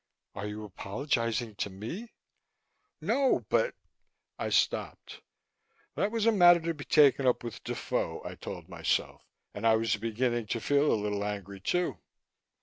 "Are you apologizing to me?" "No, but " I stopped. That was a matter to be taken up with Defoe, I told myself, and I was beginning to feel a little angry, too.